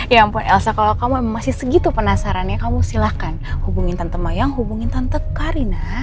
ya ampun elsa kalau kamu masih segitu penasarannya kamu silahkan hubungin tante mayang hubungin tante karina